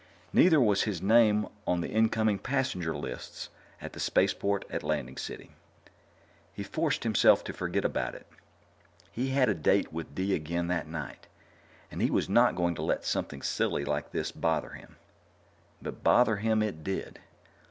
Neither was his name on the incoming passenger lists at the spaceport at Landing City. He forced himself to forget about it; he had a date with Dee again that night, and he was not going to let something silly like this bother him. But bother him it did.